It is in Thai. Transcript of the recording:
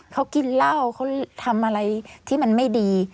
เขากินเหล้าเขาทำอะไรที่มันไม่ดี